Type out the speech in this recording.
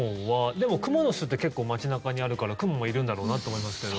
でもクモの巣って結構、街中にあるからクモもいるんだろうなって思いますけど。